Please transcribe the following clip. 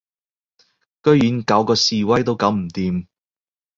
居然搞嗰示威都搞唔掂